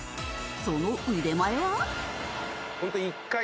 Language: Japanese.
その腕前は？